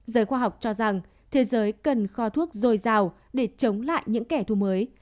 giới khoa học cho rằng thế giới cần kho thuốc dồi dào để chống lại những kẻ thù mới